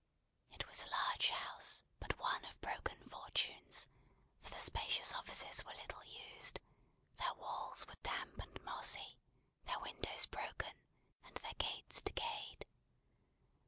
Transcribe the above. It was a large house, but one of broken fortunes; for the spacious offices were little used, their walls were damp and mossy, their windows broken, and their gates decayed.